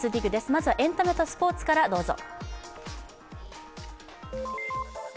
まずはエンタメとスポーツからどうぞ。